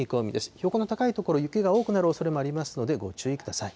標高の高い所、雪が多くなるおそれもありますので、ご注意ください。